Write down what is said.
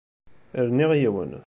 Rniɣ yiwen.